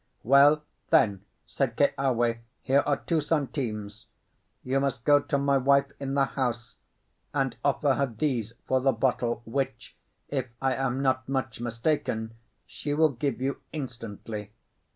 "Well, then," said Keawe, "here are two centimes; you must go to my wife in the house, and offer her these for the bottle, which (if I am not much mistaken) she will give you instantly.